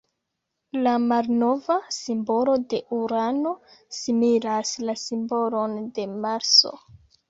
La malnova simbolo de Urano similas la simbolon de Marso.